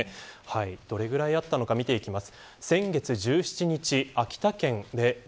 どれぐらいあったのか見ていきます。